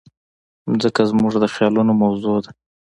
مځکه زموږ د خیالونو موضوع ده.